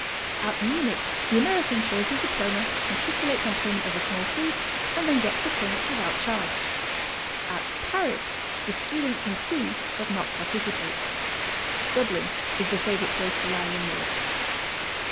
At Munich the American shows his diploma, matriculates on payment of a small fee, and then gets the clinics without charge. At Paris the student can see but not participate. Dublin is the favorite place for lying in work.